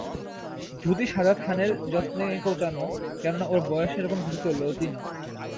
ধুতি সাদা থানের যত্নে কোঁচানো, কেননা ওর বয়সে এরকম ধুতি চলতি নয়।